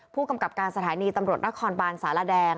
ผู้กำกับการสถานีตำรวจนครบานสารแดง